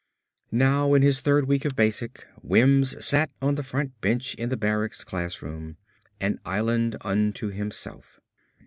Now in his third week of basic, Wims sat on the front bench in the barrack classroom, an island unto himself.